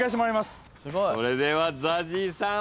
それではＺＡＺＹさん